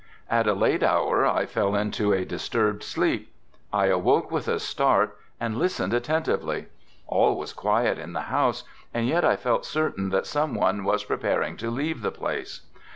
At a late hour I fell into a disturbed sleep. I awoke with a start and listened attentively. All was quiet in the house and yet I felt certain that some one was preparing to leave the place.